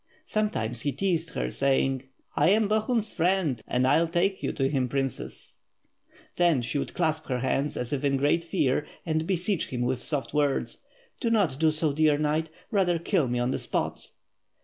Sometimes he teased her, saying: "1 am Bohun's friend, and I'll take you to him, Princess/' Then she would clasp her hands as if in great fear, and beseech him with soft words. "Do not do so, dear knight, rather kill me on the spot."